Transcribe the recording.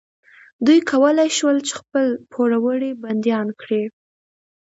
دوی کولی شول چې خپل پوروړي بندیان کړي.